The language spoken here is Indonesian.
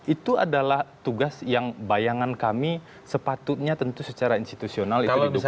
itu adalah tugas yang bayangan kami sepatutnya tentu secara institusional itu didukung juga oleh dpr